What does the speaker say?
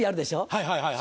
はいはいはい。